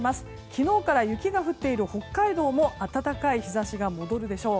昨日から雪が降っている北海道も暖かい日差しが戻るでしょう。